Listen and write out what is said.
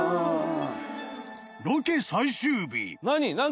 ［ロケ最終日］何？